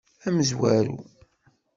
Amezwaru.